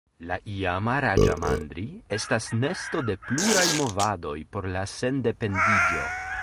La iama Raĝamandri estis nesto de pluraj movadoj por la sendependiĝo.